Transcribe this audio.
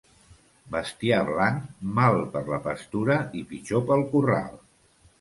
Bestiar blanc, mal per la pastura i pitjor pel corral.